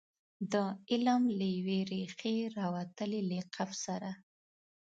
د علم له یوې ریښې راوتلي لقب سره.